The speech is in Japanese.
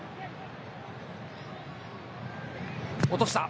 落とした。